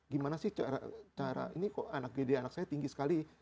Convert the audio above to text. gimana sih cara ini kok anak gede anak saya tinggi sekali